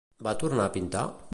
Va tornar a pintar?